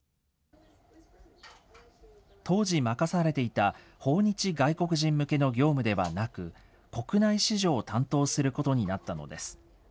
当時、任されていた訪日外国人向けの業務ではなく、国内市場を担当することになったのです。